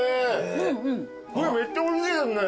これめっちゃおいしいですね。